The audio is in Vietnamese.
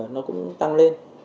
nó cũng tăng lên